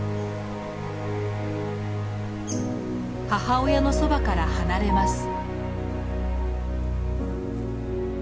母親のそばから離れます。